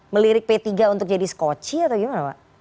melirik p tiga untuk jadi skoci atau gimana pak